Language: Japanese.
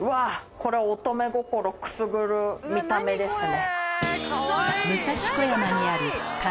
これ乙女心くすぐる見た目ですね。